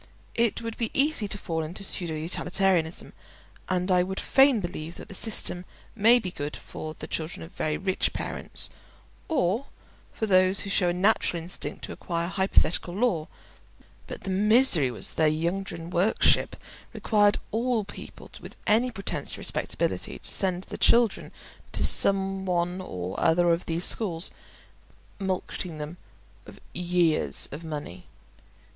It would be easy to fall into pseudo utilitarianism, and I would fain believe that the system may be good for the children of very rich parents, or for those who show a natural instinct to acquire hypothetical lore; but the misery was that their Ydgrun worship required all people with any pretence to respectability to send their children to some one or other of these schools, mulcting them of years of money.